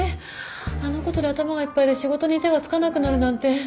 あのことで頭がいっぱいで仕事に手がつかなくなるなんて。